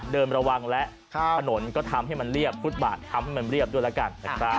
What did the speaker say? ระวังแล้วถนนก็ทำให้มันเรียบฟุตบาททำให้มันเรียบด้วยแล้วกันนะครับ